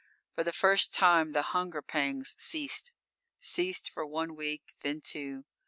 For the first time the hunger pangs ceased. Ceased for one week, then two.